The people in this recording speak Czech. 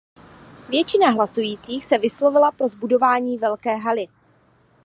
Většina hlasujících se vyslovila pro zbudování velké haly.